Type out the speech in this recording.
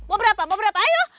mau berapa mau berapa ayo